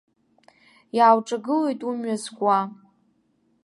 Иаауҿагылоит умҩа зкуа.